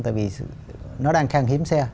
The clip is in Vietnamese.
tại vì nó đang khang hiếm xe